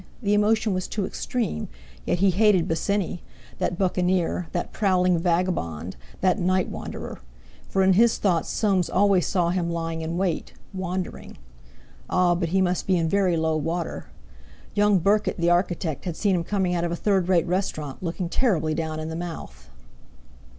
—the emotion was too extreme; yet he hated Bosinney, that Buccaneer, that prowling vagabond, that night wanderer. For in his thoughts Soames always saw him lying in wait—wandering. Ah, but he must be in very low water! Young Burkitt, the architect, had seen him coming out of a third rate restaurant, looking terribly down in the mouth!